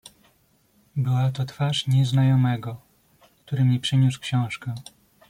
"Była to twarz nieznajomego, który mi przyniósł książkę."